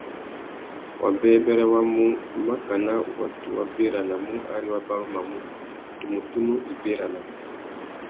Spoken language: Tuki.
Wabêbêrê wa mu, makana watu wa béranamú ari wa barumanú, tumu tunu i béranamú.